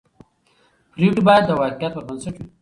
پرېکړې باید د واقعیت پر بنسټ وي